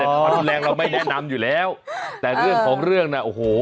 แต่ความรุนแรงเราไม่แนะนำอยู่แล้วแต่เรื่องของเรื่องน่ะโอ้โห